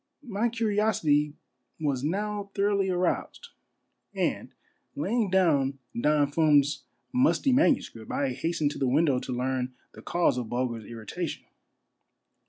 My curiosity was now thoroughly aroused ; and laying down Don Fum's musty manuscript, I hastened to the window to learn the cause of Bulger's irritation.